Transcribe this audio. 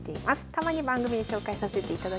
たまに番組で紹介させていただきます。